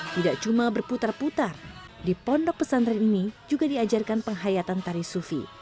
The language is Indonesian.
tidak cuma berputar putar di pondok pesantren ini juga diajarkan penghayatan tari sufi